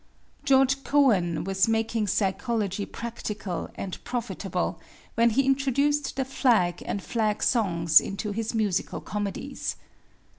George Cohan was making psychology practical and profitable when he introduced the flag and flag songs into his musical comedies.